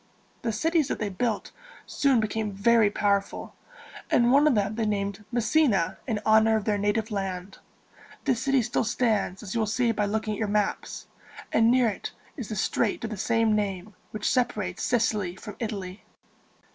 The cities that they built soon became very powerful, and one of them they named Mes si´na in honor of their native land. This city still stands, as you will see by looking at your maps; and near it is the strait of the same name, which separates Sicily from Italy.